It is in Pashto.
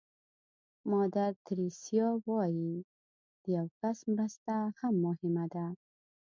مادر تریسیا وایي د یو کس مرسته هم مهمه ده.